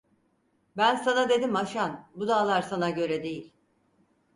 Ben sana dedim Haşan, bu dağlar sana göre değil!